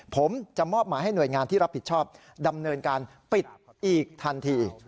ผมจะมอบหมายให้หน่วยงานที่รับผิดชอบดำเนินการปิดอีกทันที